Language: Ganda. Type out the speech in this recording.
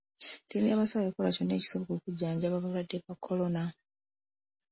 Ttiimu y'abasawo ekola kyonna ekisoboka okujjanjaba abalwadde ba kolona.